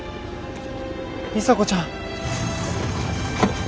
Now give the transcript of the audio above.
里紗子ちゃん。